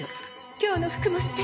「今日の服もすてき！